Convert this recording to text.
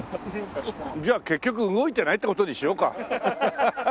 じゃあ結局動いてないって事にしようか。